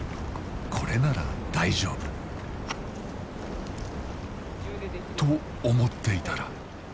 これなら大丈夫。と思っていたら。